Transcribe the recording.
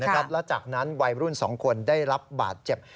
แล้วจากนั้นวัยรุ่น๒คนได้รับบาดเจ็บ